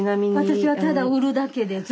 私はただ売るだけです。